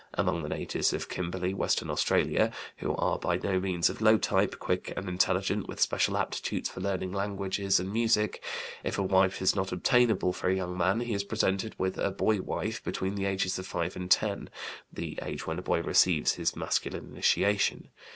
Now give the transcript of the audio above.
Among the natives of Kimberley, Western Australia (who are by no means of low type, quick and intelligent, with special aptitudes for learning languages and music), if a wife is not obtainable for a young man he is presented with a boy wife between the ages of 5 and 10 (the age when a boy receives his masculine initiation).